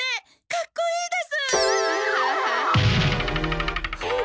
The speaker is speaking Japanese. かっこいいです！はあ。